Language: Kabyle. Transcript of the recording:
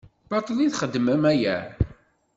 Baṭel i txeddmem aya?